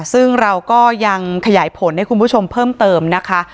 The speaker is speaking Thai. ซึ่งเราก็ยังขยายผลให้คุณผู้ชมเพิ่มเติมนะคะ